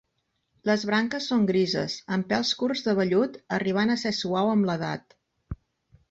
Les branques són grises, amb pèls curts de vellut, arribant a ser suau amb l'edat.